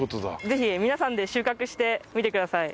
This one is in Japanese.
ぜひ皆さんで収穫してみてください。